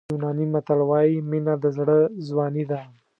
یوناني متل وایي مینه د زړه ځواني ده.